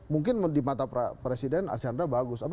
mungkin di mata presiden archandra bagus